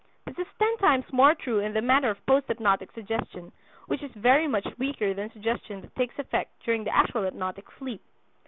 This is ten times more true in the matter of post hypnotic suggestion, which is very much weaker than suggestion that takes effect during the actual hypnotic sleep.